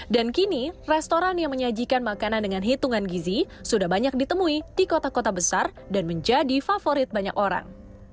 dan kini restoran yang menyajikan makanan dengan hitungan gizi sudah banyak ditemui di kota kota besar dan menjadi favorit banyak orang